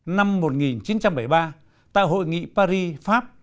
năm một nghìn chín trăm bảy mươi ba tại hội nghị paris pháp